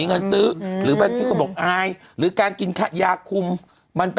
ก็ควรจะมันจะแก้ปัญหาที่ต้นเหตุถูกต้องป่ะ